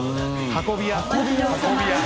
「運び屋」？